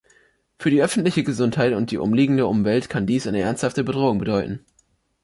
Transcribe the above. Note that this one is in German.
Für die öffentliche Gesundheit und die umliegende Umwelt kann dies eine ernsthafte Bedrohung bedeuten.